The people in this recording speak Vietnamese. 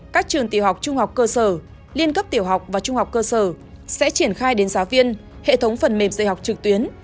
các trường tiểu học trung học cơ sở liên cấp tiểu học và trung học cơ sở sẽ triển khai đến giáo viên hệ thống phần mềm dạy học trực tuyến